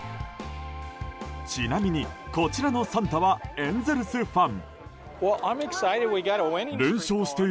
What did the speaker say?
ちなみに、こちらのサンタはエンゼルスファン。